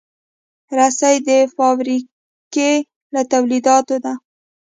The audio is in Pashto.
رسۍ د فابریکې له تولیداتو ده.